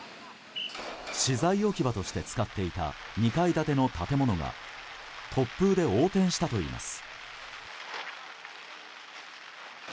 資材置き場として使っていた２階建ての建物が突風で横転したといいます。